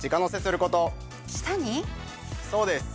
そうです。